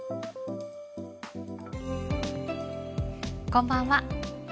こんばんは。